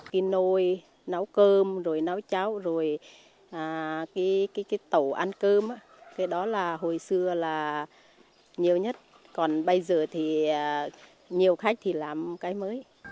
cái nôi nấu cơm rồi náo cháo rồi cái tẩu ăn cơm cái đó là hồi xưa là nhiều nhất còn bây giờ thì nhiều khách thì làm cái mới